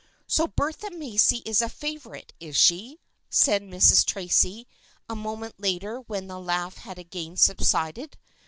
" So Bertha Macy is the favorite, is she ?" said Mrs. Tracy a moment later when the laugh had again subsided.